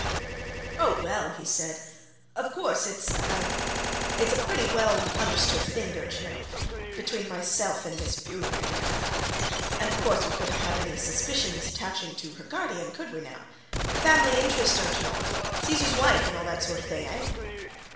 "Oh, well," he said. "Of course, it's it's a pretty well understood thing, don't you know between myself and Miss Bewery, you know and of course, we couldn't have any suspicions attaching to her guardian, could we, now? Family interest, don't you know Caesar's wife, and all that sort of thing, eh?"